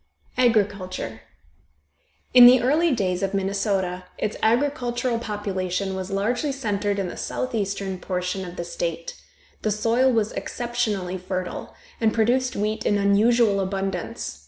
AGRICULTURE. In the early days of Minnesota its agricultural population was largely centered in the southeastern portion of the state. The soil was exceptionally fertile, and produced wheat in unusual abundance.